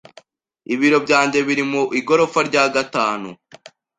Ibiro byanjye biri mu igorofa rya gatanu.